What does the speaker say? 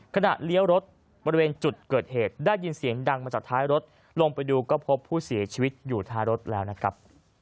เลี้ยวรถบริเวณจุดเกิดเหตุได้ยินเสียงดังมาจากท้ายรถลงไปดูก็พบผู้เสียชีวิตอยู่ท้ายรถแล้วนะครับ